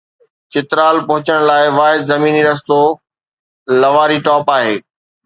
چترال پهچڻ لاءِ واحد زميني رستو لواري ٽاپ آهي.